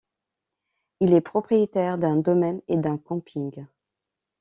Il est propriétaire d’un domaine et d’un camping.